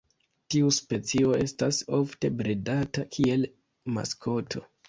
Tiu specio estas ofte bredata kiel maskoto.